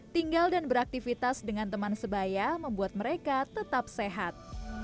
tinggal dan beraktivitas dengan teman sebaya membuat mereka tetap sehat